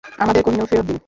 আমাদের কোহিনূর ফেরত দিন!